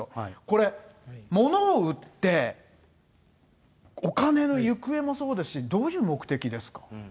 これ、物を売って、お金の行方もそうですし、どういう目的ですか？